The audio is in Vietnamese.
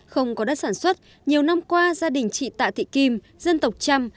không có đất sản xuất nhiều năm qua gia đình chị tạ thị kim dân tộc trăm